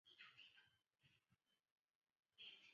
喇叭状的铳口是雷筒与大口径卡宾枪的不同之处。